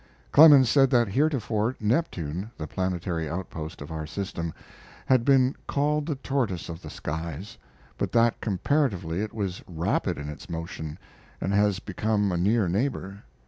Clemens said that heretofore Neptune, the planetary outpost of our system, had been called the tortoise of the skies, but that comparatively it was rapid in its motion, and had become a near neighbor.